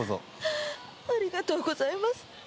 ありがとうございます。